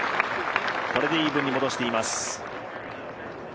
これでイーブンに戻しています。